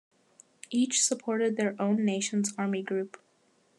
Each supported their own nation's Army Group.